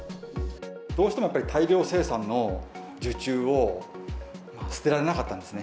どうしてもやっぱり大量生産の受注を捨てられなかったんですね。